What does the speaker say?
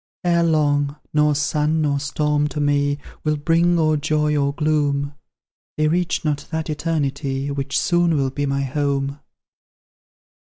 Ere long, nor sun nor storm to me Will bring or joy or gloom; They reach not that Eternity Which soon will be my home."